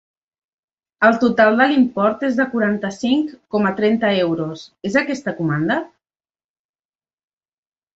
El total de l'import és de quaranta-cinc coma trenta euros, és aquesta comanda?